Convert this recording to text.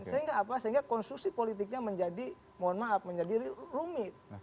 sehingga konsumsi politiknya menjadi mohon maaf menjadi rumit